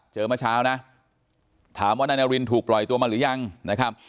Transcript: เมื่อเช้านะถามว่านายนารินถูกปล่อยตัวมาหรือยังนะครับ